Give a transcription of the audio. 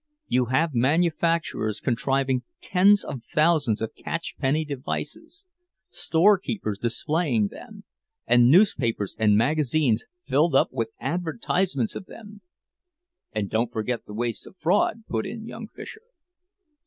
You have manufacturers contriving tens of thousands of catchpenny devices, storekeepers displaying them, and newspapers and magazines filled up with advertisements of them!" "And don't forget the wastes of fraud," put in young Fisher.